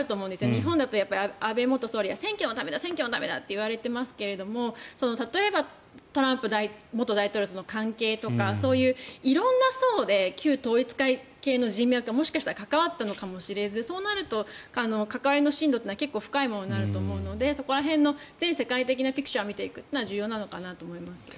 日本だと安倍元総理が選挙のためだといわれていますが例えばトランプ元大統領との関係とかそういう色んな層で旧統一教会系の人脈がもしかしたらかかわったのかもしれずそうなると、関わりの深度は深いものになると思うのでそこら辺の全世界的なフィクションを見ていくことは重要なのかなと思いますが。